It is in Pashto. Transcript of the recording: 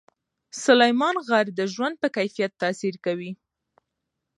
سلیمان غر د ژوند په کیفیت تاثیر کوي.